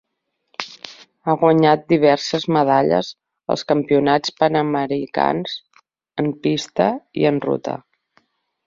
Ha guanyat diverses medalles als Campionats Panamericans en pista i en ruta.